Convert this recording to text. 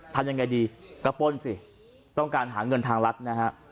ทำยังไงดีก็ป้นสิต้องการหาเงินทางรัฐนะฮะ